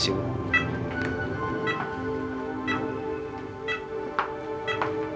saya permisi bu